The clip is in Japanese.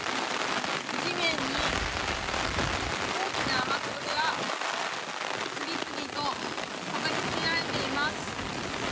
地面に大きな雨粒が次々とたたきつけられています。